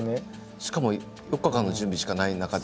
しかも４日間の準備しかない中で。